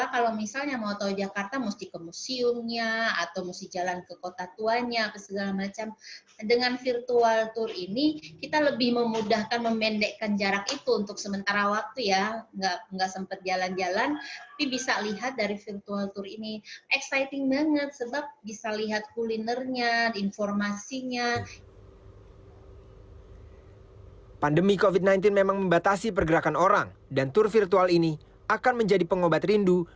pandemi covid sembilan belas memang membatasi pergerakan orang dan tur virtual ini akan menjadi pengobat rindu